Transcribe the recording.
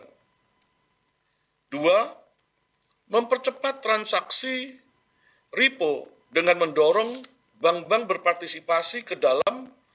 hai dua mempercepat transaksi repo dengan mendorong bank bank berpartisipasi ke dalam